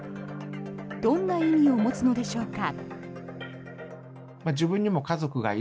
どんな意味を持つのでしょうか。